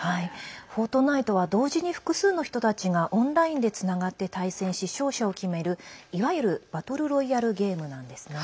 「フォートナイト」は同時に複数の人たちがオンラインでつながって対戦し勝者を決めるいわゆるバトルロイヤルゲームなんですね。